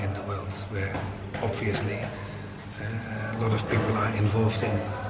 di mana terlihat banyak orang yang terlibat